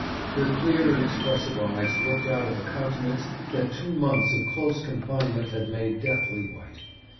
Her clear and expressive eyes looked out of a countenance that two months of close confinement had made deathly white.